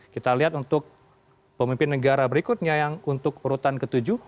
kita lihat untuk pemimpin negara berikutnya yang untuk urutan ke tujuh